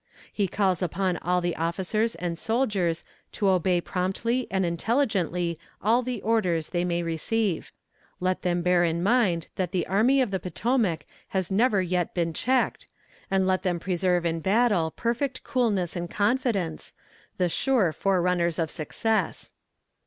He calls upon all the officers and soldiers to obey promptly and intelligently all the orders they may receive; let them bear in mind that the Army of the Potomac has never yet been checked, and let them preserve in battle perfect coolness and confidence, the sure forerunners of success.